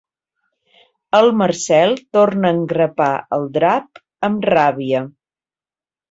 El Marcel torna a engrapar el drap amb ràbia.